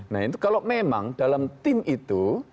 nah itu kalau memang dalam tim itu